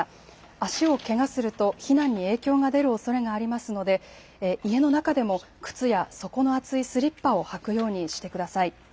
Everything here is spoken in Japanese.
足をけがすると避難に影響が出るおそれがありますので家の中でも靴や底の厚いスリッパを履くようにしてください。